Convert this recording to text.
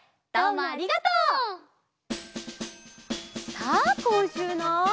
さあこんしゅうの。